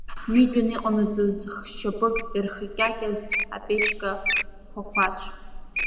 Митәын иҟанаҵоз х-шьапык ирхакьакьаз аԥечка хәахәацә.